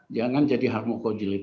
jangan jadi harmoko jilat dua